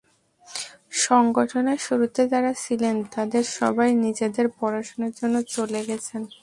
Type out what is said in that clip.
সংগঠনের শুরুতে যাঁরা ছিলেন, তাঁদের সবাই নিজেদের পড়াশোনার জন্য চলে গেছেন।